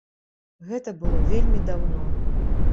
Гэта было вельмі даўно.